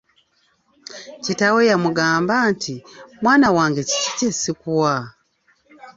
Kitaawe yamugamba nti, “Mwana wange, kiki kye sikuwa?”